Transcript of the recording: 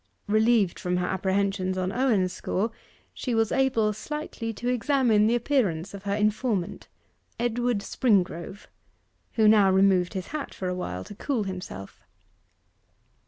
Relieved from her apprehensions on Owen's score, she was able slightly to examine the appearance of her informant Edward Springrove who now removed his hat for a while, to cool himself.